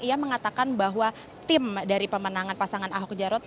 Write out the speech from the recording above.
ia mengatakan bahwa tim dari pemenangan pasangan ahok jarot